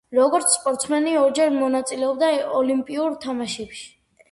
როგორც სპორტსმენი ორჯერ მონაწილეობდა ოლიმპიურ თამაშებში.